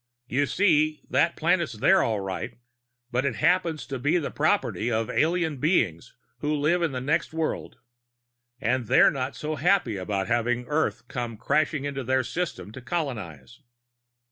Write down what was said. "You see, that planet's there, all right. But it happens to be the property of alien beings who live in the next world. And they're not so happy about having Earth come crashing into their system to colonize!"